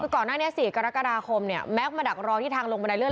ก่อนหน้านี้๔กรกฎาคมแม็กซ์มาดักรอที่ทางลงบันไดเรื่อย